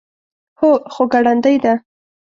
هو، خو ګړندۍ ده